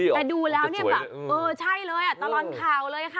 แต่ดูแล้วเนี่ยแบบเออใช่เลยตลอดข่าวเลยค่ะ